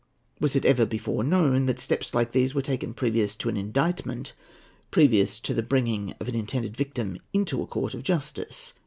Was it ever before known, that steps like these were taken previous to an indictment,—previous to the bringing of an intended victim into a court of justice?